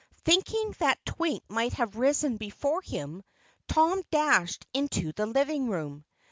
Thinking that Twink might have risen before him, Tom dashed into the living room.